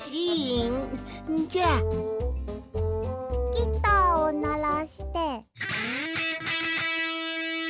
ギターをならして。